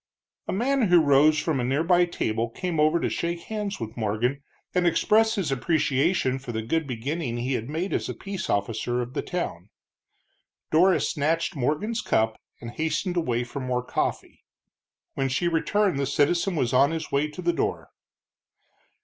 A man who rose from a near by table came over to shake hands with Morgan, and express his appreciation for the good beginning he had made as peace officer of the town. Dora snatched Morgan's cup and hastened away for more coffee. When she returned the citizen was on his way to the door.